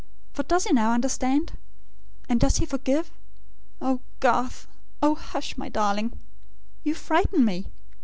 For he does now understand? And he does forgive? ... Oh, Garth! ... Oh hush, my darling! ... You frighten me!